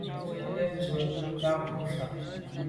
Benntùn be se’ ndù ba’ à kù fa.